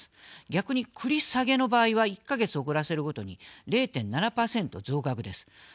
逆に、繰り下げの場合は１か月遅らせるごとに０．７％増額です。